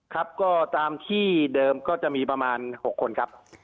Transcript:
ครับก็ตามที่เดิมก็จะมีประมาณ๖คนครับ